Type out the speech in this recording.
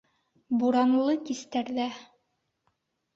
Буранлы кистәрҙә